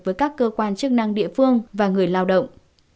với các cơ quan chức năng địa phương và người lao động